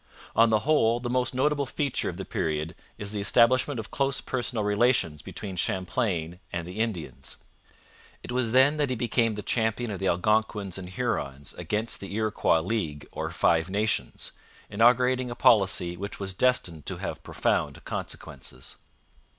On the whole, the most notable feature of the period is the establishment of close personal relations between Champlain and the Indians. It was then that he became the champion of the Algonquins and Hurons against the Iroquois League or Five Nations, inaugurating a policy which was destined to have profound consequences.